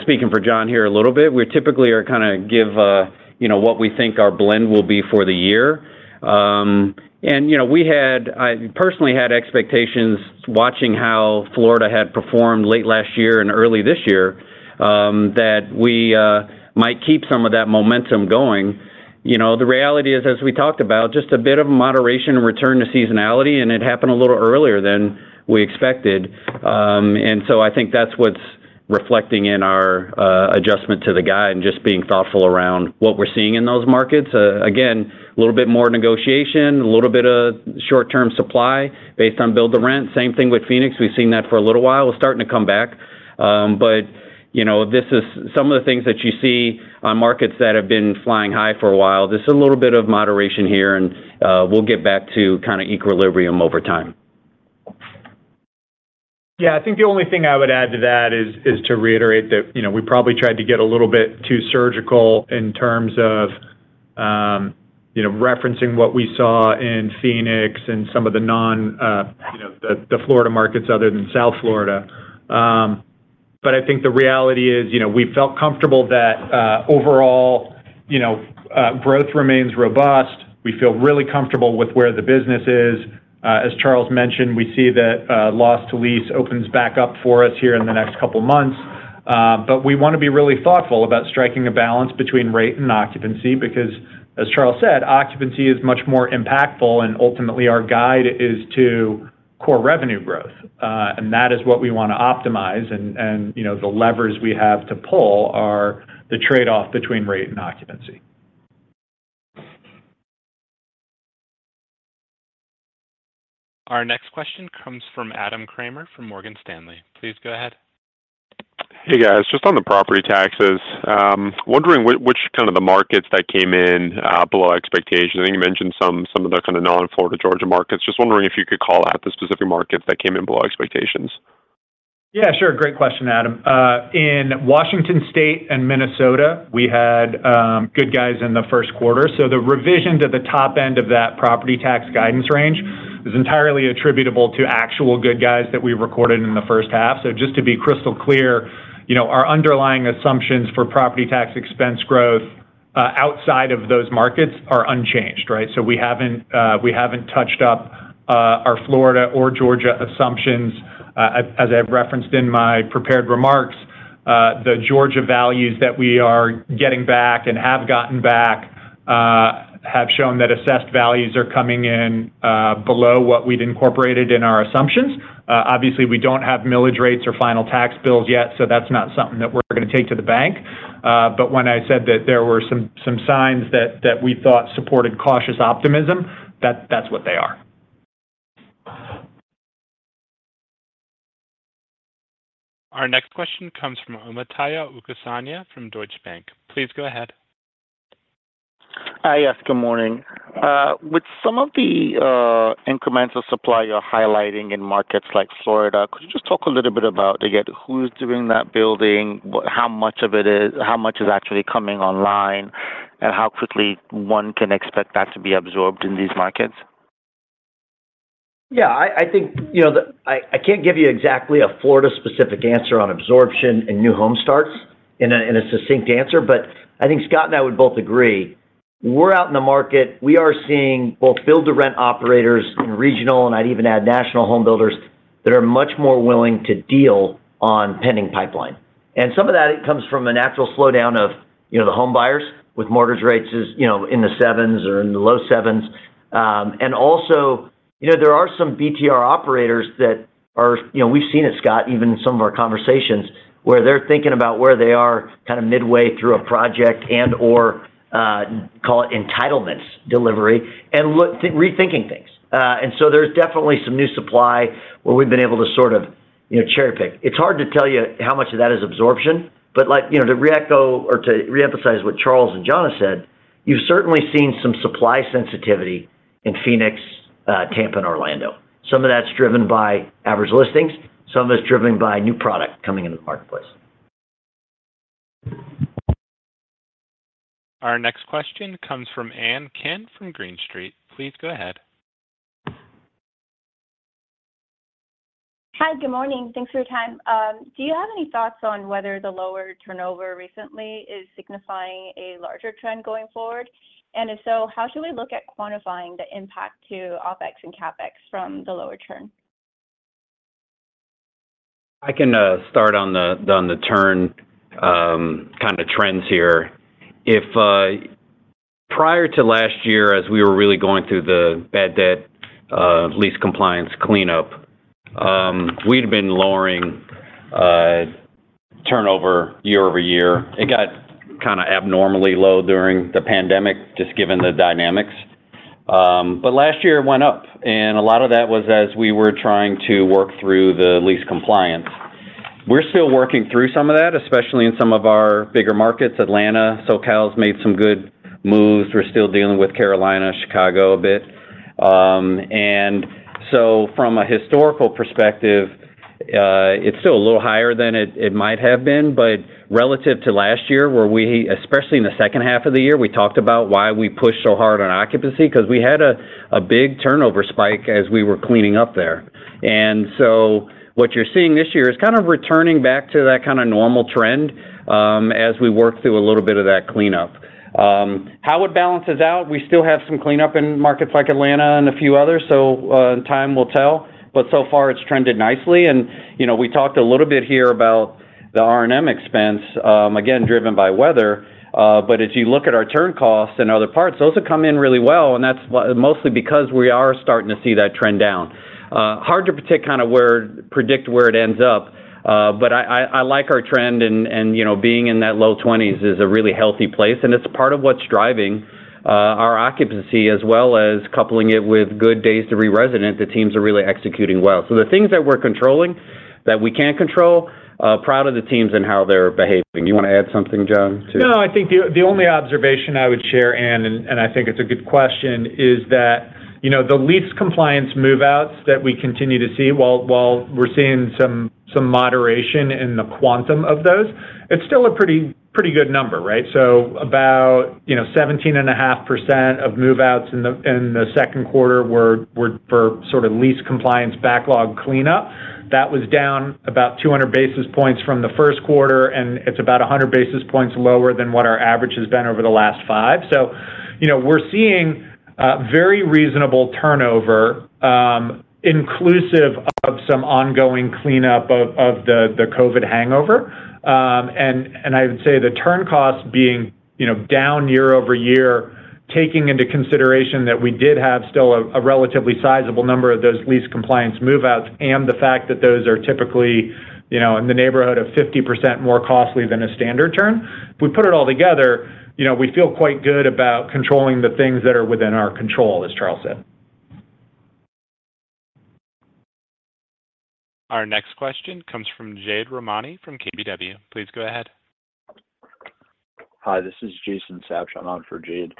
speaking for John here a little bit. We typically are kind of give what we think our blend will be for the year. And we had personally had expectations watching how Florida had performed late last year and early this year that we might keep some of that momentum going. The reality is, as we talked about, just a bit of moderation and return to seasonality, and it happened a little earlier than we expected. And so I think that's what's reflecting in our adjustment to the guide and just being thoughtful around what we're seeing in those markets. Again, a little bit more negotiation, a little bit of short-term supply based on build-to-rent. Same thing with Phoenix. We've seen that for a little while. We're starting to come back. But some of the things that you see on markets that have been flying high for a while, there's a little bit of moderation here, and we'll get back to kind of equilibrium over time. Yeah. I think the only thing I would add to that is to reiterate that we probably tried to get a little bit too surgical in terms of referencing what we saw in Phoenix and some of the non-Florida markets other than South Florida. But I think the reality is we felt comfortable that overall growth remains robust. We feel really comfortable with where the business is. As Charles mentioned, we see that Loss to Lease opens back up for us here in the next couple of months. But we want to be really thoughtful about striking a balance between rate and occupancy because, as Charles said, occupancy is much more impactful, and ultimately, our guide is to Core Revenue Growth. And that is what we want to optimize. And the levers we have to pull are the trade-off between rate and occupancy. Our next question comes from Adam Kramer from Morgan Stanley. Please go ahead. Hey, guys. Just on the property taxes, wondering which kind of the markets that came in below expectations? I think you mentioned some of the kind of non-Florida, Georgia markets. Just wondering if you could call out the specific markets that came in below expectations? Yeah, sure. Great question, Adam. In Washington State and Minnesota, we had good news in the first quarter. So the revision to the top end of that property tax guidance range is entirely attributable to actual good news that we recorded in the first half. So just to be crystal clear, our underlying assumptions for property tax expense growth outside of those markets are unchanged, right? So we haven't touched up our Florida or Georgia assumptions. As I've referenced in my prepared remarks, the Georgia values that we are getting back and have gotten back have shown that assessed values are coming in below what we'd incorporated in our assumptions. Obviously, we don't have millage rates or final tax bills yet, so that's not something that we're going to take to the bank. When I said that there were some signs that we thought supported cautious optimism, that's what they are. Our next question comes from Omotayo Okusanya from Deutsche Bank. Please go ahead. Hi, yes. Good morning. With some of the incremental supply you're highlighting in markets like Florida, could you just talk a little bit about, again, who's doing that building, how much of it is, how much is actually coming online, and how quickly one can expect that to be absorbed in these markets? Yeah. I think I can't give you exactly a Florida-specific answer on absorption and new home starts in a succinct answer, but I think Scott and I would both agree. We're out in the market. We are seeing both build-to-rent operators and regional, and I'd even add national homebuilders that are much more willing to deal on pending pipeline. And some of that comes from a natural slowdown of the home buyers with mortgage rates in the 7s or in the low 7s. And also, there are some BTR operators that are—we've seen it, Scott, even in some of our conversations, where they're thinking about where they are kind of midway through a project and/or call it entitlements delivery and rethinking things. And so there's definitely some new supply where we've been able to sort of cherry-pick. It's hard to tell you how much of that is absorption, but to re-echo or to re-emphasize what Charles and John have said, you've certainly seen some supply sensitivity in Phoenix, Tampa, and Orlando. Some of that's driven by average listings. Some of it's driven by new product coming into the marketplace. Our next question comes from Ann Chan from Green Street. Please go ahead. Hi, good morning. Thanks for your time. Do you have any thoughts on whether the lower turnover recently is signifying a larger trend going forward? And if so, how should we look at quantifying the impact to OPEX and CAPEX from the lower turn? I can start on the turnover trends here. Prior to last year, as we were really going through the bad debt lease compliance cleanup, we'd been lowering turnover year over year. It got kind of abnormally low during the pandemic just given the dynamics. But last year went up, and a lot of that was as we were trying to work through the Lease Compliance. We're still working through some of that, especially in some of our bigger markets. Atlanta, SoCal's made some good moves. We're still dealing with Carolina, Chicago a bit. And so from a historical perspective, it's still a little higher than it might have been, but relative to last year, where we especially in the second half of the year, we talked about why we pushed so hard on occupancy because we had a big turnover spike as we were cleaning up there. What you're seeing this year is kind of returning back to that kind of normal trend as we work through a little bit of that cleanup. How it balances out, we still have some cleanup in markets like Atlanta and a few others, so time will tell. So far, it's trended nicely. We talked a little bit here about the R&M expense, again, driven by weather. As you look at our turn costs and other parts, those have come in really well, and that's mostly because we are starting to see that trend down. Hard to predict where it ends up, but I like our trend, and being in that low 20s is a really healthy place. It's part of what's driving our occupancy as well as coupling it with good days to re-resident that teams are really executing well. So the things that we're controlling that we can't control. Proud of the teams and how they're behaving. Do you want to add something, Jon, to? No, I think the only observation I would share, Ann, and I think it's a good question, is that the lease compliance move-outs that we continue to see, while we're seeing some moderation in the quantum of those, it's still a pretty good number, right? So about 17.5% of move-outs in the second quarter were for sort of lease compliance backlog cleanup. That was down about 200 basis points from the first quarter, and it's about 100 basis points lower than what our average has been over the last five. So we're seeing very reasonable turnover, inclusive of some ongoing cleanup of the COVID hangover. I would say the turn costs being down year-over-year, taking into consideration that we did have still a relatively sizable number of those lease compliance move-outs and the fact that those are typically in the neighborhood of 50% more costly than a standard turn. If we put it all together, we feel quite good about controlling the things that are within our control, as Charles said. Our next question comes from Jade Rahmani from KBW. Please go ahead. Hi, this is Jason Sabshon for Jade.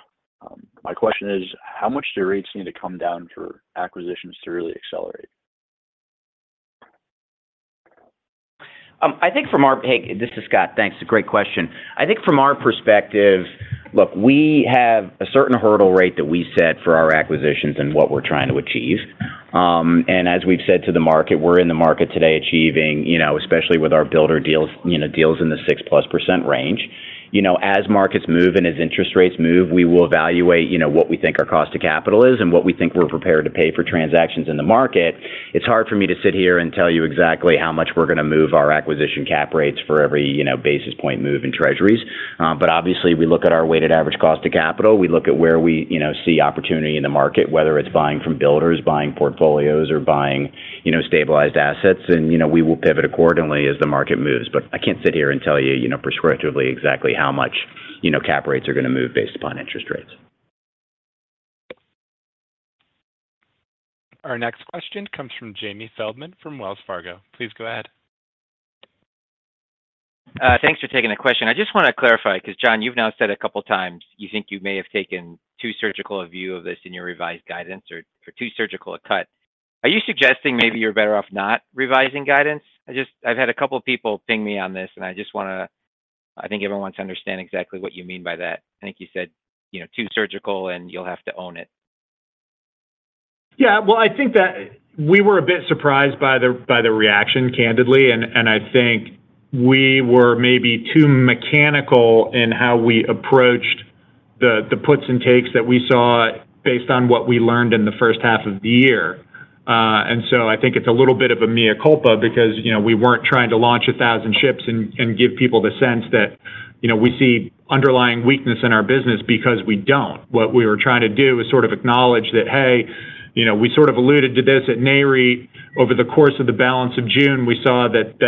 My question is, how much do rates need to come down for acquisitions to really accelerate? This is Scott. Thanks. It's a great question. I think from our perspective, look, we have a certain hurdle rate that we set for our acquisitions and what we're trying to achieve. As we've said to the market, we're in the market today achieving, especially with our builder deals, deals in the 6%+ range. As markets move and as interest rates move, we will evaluate what we think our cost of capital is and what we think we're prepared to pay for transactions in the market. It's hard for me to sit here and tell you exactly how much we're going to move our acquisition cap rates for every basis point move in Treasuries. But obviously, we look at our weighted average cost of capital. We look at where we see opportunity in the market, whether it's buying from builders, buying portfolios, or buying stabilized assets. And we will pivot accordingly as the market moves. But I can't sit here and tell you prescriptively exactly how much cap rates are going to move based upon interest rates. Our next question comes from Jamie Feldman from Wells Fargo. Please go ahead. Thanks for taking the question. I just want to clarify because, John, you've now said a couple of times you think you may have taken too surgical a view of this in your revised guidance or too surgical a cut. Are you suggesting maybe you're better off not revising guidance? I've had a couple of people ping me on this, and I just want to—I think everyone wants to understand exactly what you mean by that. I think you said too surgical, and you'll have to own it. Yeah. Well, I think that we were a bit surprised by the reaction, candidly. And I think we were maybe too mechanical in how we approached the puts and takes that we saw based on what we learned in the first half of the year. And so I think it's a little bit of a mea culpa because we weren't trying to launch 1,000 ships and give people the sense that we see underlying weakness in our business because we don't. What we were trying to do is sort of acknowledge that, hey, we sort of alluded to this at Nareit. Over the course of the balance of June, we saw that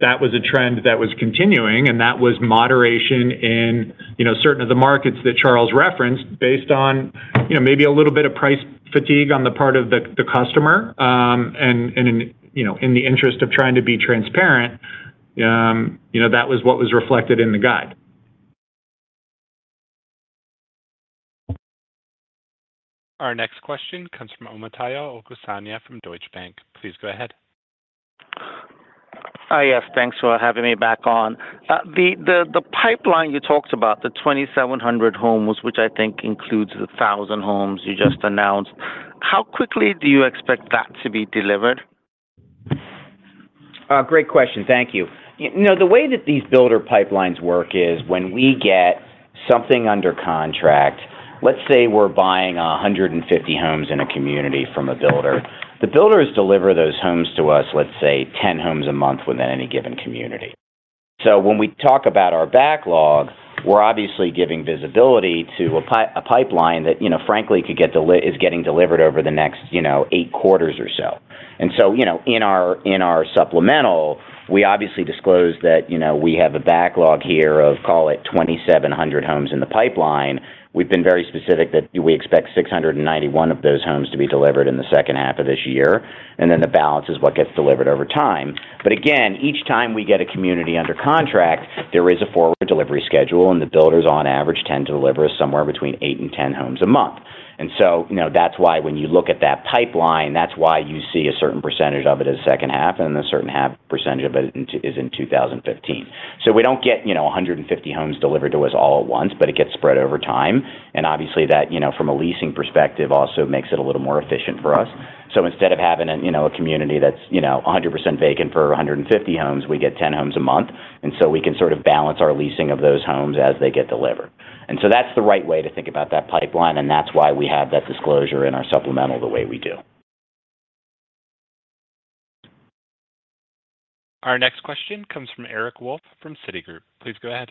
that was a trend that was continuing, and that was moderation in certain of the markets that Charles referenced based on maybe a little bit of price fatigue on the part of the customer. In the interest of trying to be transparent, that was what was reflected in the guide. Our next question comes from Omotayo Okusanya from Deutsche Bank. Please go ahead. Hi, yes. Thanks for having me back on. The pipeline you talked about, the 2,700 homes, which I think includes the 1,000 homes you just announced, how quickly do you expect that to be delivered? Great question. Thank you. The way that these builder pipelines work is when we get something under contract, let's say we're buying 150 homes in a community from a builder, the builders deliver those homes to us, let's say, 10 homes a month within any given community. So when we talk about our backlog, we're obviously giving visibility to a pipeline that, frankly, is getting delivered over the next 8 quarters or so. And so in our supplemental, we obviously disclose that we have a backlog here of, call it, 2,700 homes in the pipeline. We've been very specific that we expect 691 of those homes to be delivered in the second half of this year. And then the balance is what gets delivered over time. But again, each time we get a community under contract, there is a forward delivery schedule, and the builders, on average, tend to deliver somewhere between 8 and 10 homes a month. And so that's why when you look at that pipeline, that's why you see a certain percentage of it in the second half, and then a certain percentage of it is in 2025. So we don't get 150 homes delivered to us all at once, but it gets spread over time. And obviously, from a leasing perspective, also makes it a little more efficient for us. So instead of having a community that's 100% vacant for 150 homes, we get 10 homes a month. And so we can sort of balance our leasing of those homes as they get delivered. And so that's the right way to think about that pipeline, and that's why we have that disclosure in our supplemental the way we do. Our next question comes from Eric Wolfe from Citigroup. Please go ahead.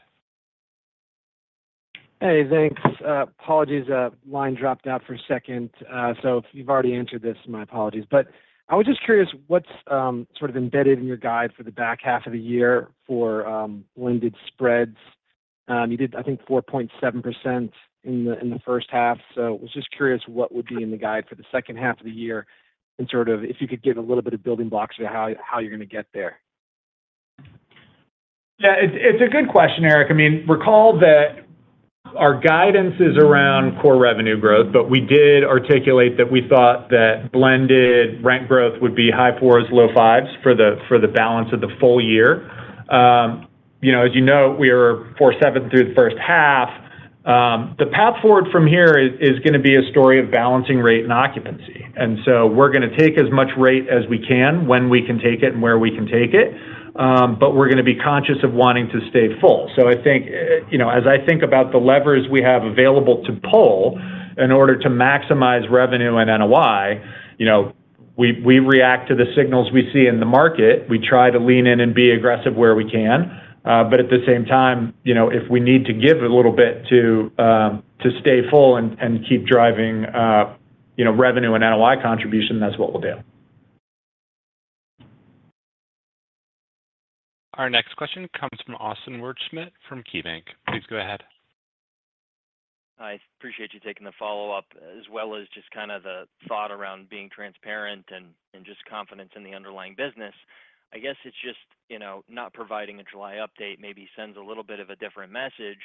Hey, thanks. Apologies. Line dropped out for a second. So if you've already answered this, my apologies. But I was just curious what's sort of embedded in your guide for the back half of the year for blended spreads. You did, I think, 4.7% in the first half. So I was just curious what would be in the guide for the second half of the year and sort of if you could give a little bit of building blocks for how you're going to get there. Yeah. It's a good question, Eric. I mean, recall that our guidance is around core revenue growth, but we did articulate that we thought that blended rent growth would be high fours, low fives for the balance of the full year. As you know, we are 4.7 through the first half. The path forward from here is going to be a story of balancing rate and occupancy. And so we're going to take as much rate as we can when we can take it and where we can take it, but we're going to be conscious of wanting to stay full. So I think as I think about the levers we have available to pull in order to maximize revenue and NOI, we react to the signals we see in the market. We try to lean in and be aggressive where we can. At the same time, if we need to give a little bit to stay full and keep driving revenue and NOI contribution, that's what we'll do. Our next question comes from Austin Wurschmidt from KeyBanc Capital Markets. Please go ahead. Hi. Appreciate you taking the follow-up as well as just kind of the thought around being transparent and just confidence in the underlying business. I guess it's just not providing a July update maybe sends a little bit of a different message.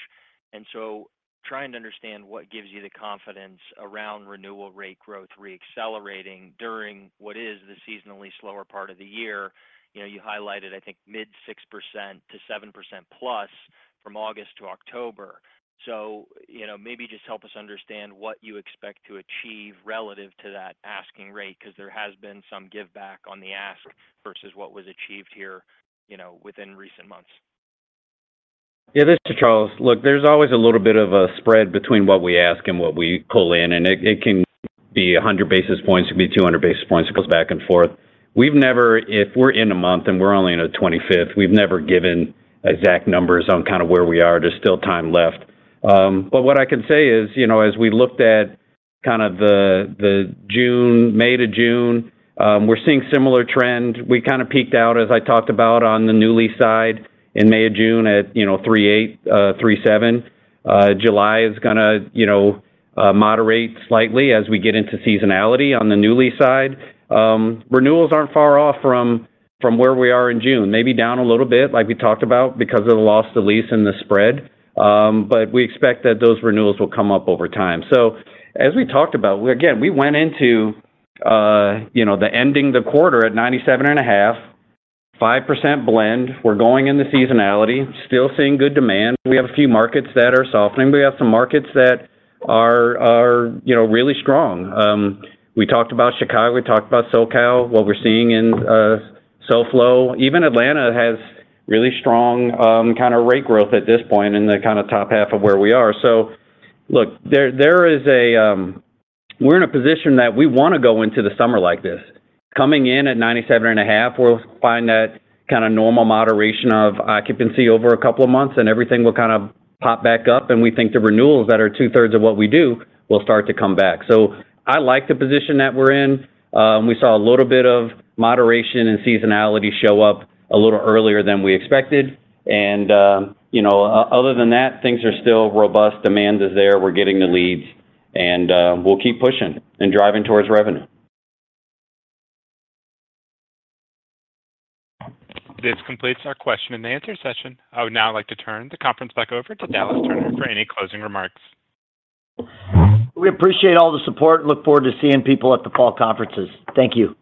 So trying to understand what gives you the confidence around renewal rate growth re-accelerating during what is the seasonally slower part of the year. You highlighted, I think, mid-6% to 7% plus from August to October. So maybe just help us understand what you expect to achieve relative to that asking rate because there has been some give back on the ask versus what was achieved here within recent months. Yeah. This is Charles. Look, there's always a little bit of a spread between what we ask and what we pull in. And it can be 100 basis points. It can be 200 basis points. It goes back and forth. If we're in a month and we're only in a 25th, we've never given exact numbers on kind of where we are. There's still time left. But what I can say is as we looked at kind of the May to June, we're seeing a similar trend. We kind of peaked out, as I talked about, on the new lease side in May or June at 3.8, 3.7. July is going to moderate slightly as we get into seasonality on the new lease side. Renewals aren't far off from where we are in June. Maybe down a little bit like we talked about because of the loss to lease and the spread. But we expect that those renewals will come up over time. So as we talked about, again, we went into the ending of the quarter at 97.5%-5% blend. We're going into seasonality. Still seeing good demand. We have a few markets that are softening. We have some markets that are really strong. We talked about Chicago. We talked about SoCal. What we're seeing in SoFlo. Even Atlanta has really strong kind of rate growth at this point in the kind of top half of where we are. So look, we're in a position that we want to go into the summer like this. Coming in at 97.5, we'll find that kind of normal moderation of occupancy over a couple of months, and everything will kind of pop back up. We think the renewals that are two-thirds of what we do will start to come back. So I like the position that we're in. We saw a little bit of moderation and seasonality show up a little earlier than we expected. Other than that, things are still robust. Demand is there. We're getting the leads. We'll keep pushing and driving towards revenue. This completes our question and answer session. I would now like to turn the conference back over to Dallas Tanner for any closing remarks. We appreciate all the support. Look forward to seeing people at the fall conferences. Thank you.